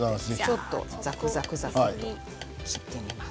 ちょっとザクザクと切ってみます。